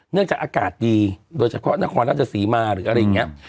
จากอากาศดีโดยเฉพาะนครราชสีมาหรืออะไรอย่างนี้